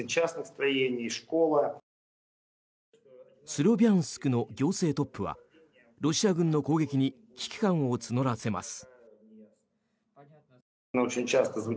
スロビャンスクの行政トップはロシア軍の攻撃に危機感を募らせます。